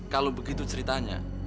kalau begitu ceritanya